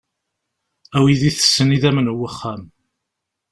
A wid itessen idamen n wuxxam.